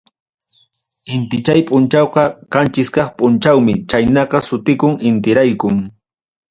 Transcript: Intichay punchawqa qanchis kaq punchawmi, chaynata sutikun intiraykum.